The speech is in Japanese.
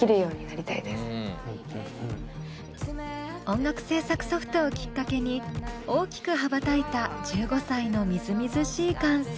音楽制作ソフトをきっかけに大きく羽ばたいた１５歳のみずみずしい感性。